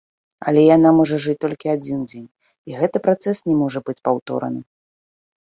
Але яна можа жыць толькі адзін дзень, і гэты працэс не можа быць паўтораны.